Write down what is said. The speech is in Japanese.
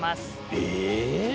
え？